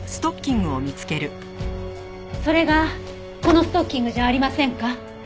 それがこのストッキングじゃありませんか？